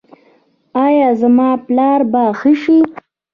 ایا زما پلار به ښه شي؟